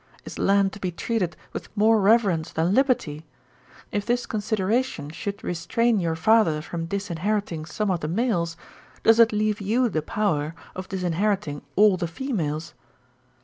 Is land to be treated with more reverence than liberty? If this consideration should restrain your father from disinheriting some of the males, does it leave you the power of disinheriting all the females?